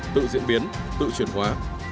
tự diễn biến tự chuyển hóa